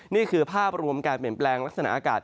นี่คือภาพรวมการเปลี่ยนแปลงลักษณะอากาศ